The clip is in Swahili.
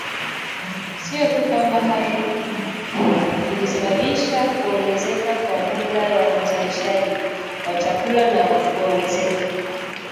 Sio tu kwamba hali hii ilisababisha kuongezeka kwa jumla ya uzalishaji wa chakula na kuongezeka